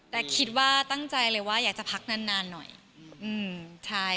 แต่คิดว่าตั้งใจเลยว่าอยากจะพักนานหน่อย